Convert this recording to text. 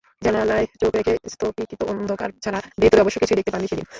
জানালায় চোখ রেখে স্তুপিকৃত অন্ধকার ছাড়া ভেতরে অবশ্য কিছুই দেখতে পাননি সেদিন।